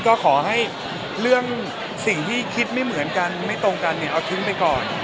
ก็ขอให้เรื่องสิ่งที่คิดไม่เหมือนกันไม่ตรงกันเนี่ยเอาทิ้งไปก่อน